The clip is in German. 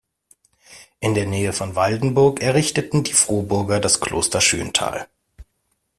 In der Nähe von Waldenburg errichteten die Frohburger das Kloster Schönthal.